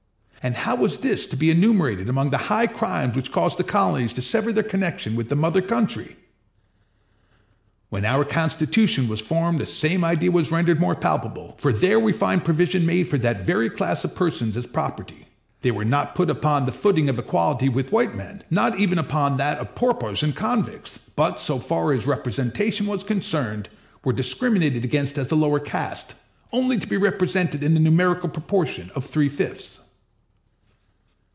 And how was this to be enumerated among the high crimes which caused the Colonies to sever their connection with the mother country? When our Constitution was formed the same idea was rendered more palpable, for there we find provision made for that very class of persons as property; they were not put upon the footing of equality with white men—not even upon that of paupers and convicts; but, so far as representation was concerned, were discriminated against as a lower caste, only to be represented in the numerical proportion of three fifths.